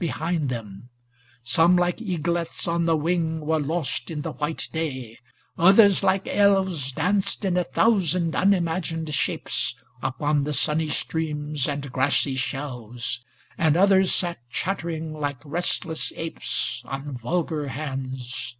Behind them; some like eaglets on the wing * Were lost in the white day ; others like elves 490 Danced in a thousand unimagined shapes Upon the sunny streams and grassy shelves ; 'And others sate chattering like restless apes On vulgar hands